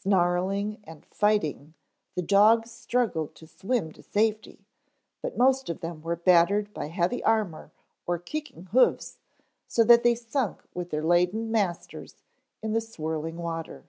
Snarling and fighting the dogs struggled to swim to safety, but most of them were battered by heavy armor or kicking hoofs, so that they sunk with their laden masters in the swirling water.